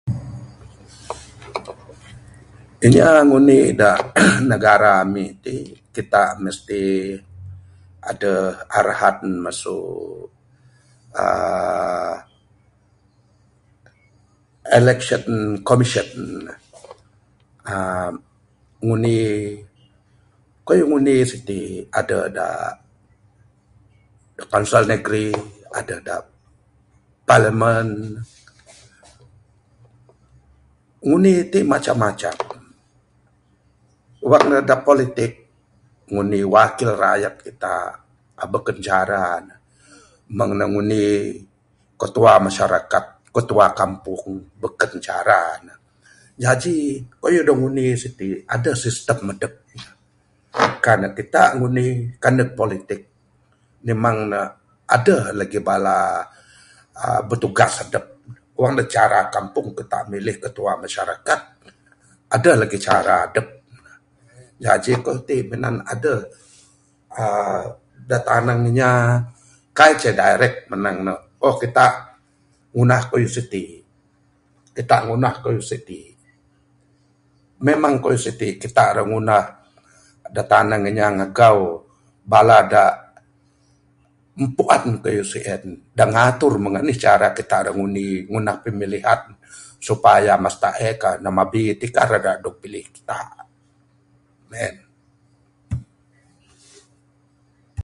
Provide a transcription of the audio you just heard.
Inya ngundi da negara ami ti, kitak mesti aduh arahan masu, aar...masu election commission. Aar..ngundi, kayuh ngundi siti aduh da konsel negeri, aduh da parlimen. Ngundi tik macam macam. Wang ne da politik, ngundi wakil rakyat kitak bekun cara ne. Mung ne ngundi ketua masyarakat, ketua kampung, bekun cara ne. Jaji kayuh da ngundi siti'k, adup sistem aduh ne. Kan kitak ngundi, kan ne politik, memang ne adeh lagi bala, aa.. betugas adup ne. Wang ne cara kampung, kitak milih ketua masyarakat. Aduh lagi cara adup ne. Jaji kayuh ti minan aduh aar.., tanag inya kai ce direct menang ne, oh kitak ngundah kayuh siti'k, kitak ngundah kayuh siti'k, memang kayuh siti'k kitak ra ngundah da tanang inya magau bala da mpuan kayuh sien, da ngatur mong anih cara kitak ra ngundi, ngundah pemilihan supaya master A kah, namba B tik kah dak ra'k dog pilih kitak. Mung en.